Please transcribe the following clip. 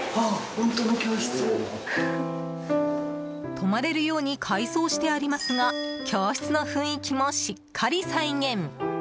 泊まれるように改装してありますが教室の雰囲気も、しっかり再現。